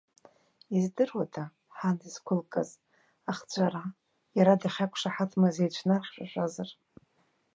Издыруада, ҳан изқәылкыз, ахҵәара, иара дахьақәшаҳаҭмыз еицәнархьшәашәазар?